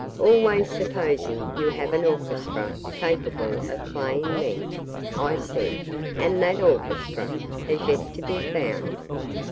"Always supposing you have an orchestra capable of playing them," I said. "And that orchestra has yet to be found!"